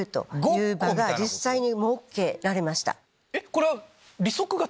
これは。